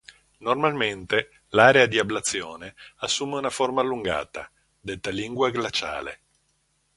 Normalmente l'area di ablazione assume una forma allungata, detta lingua glaciale.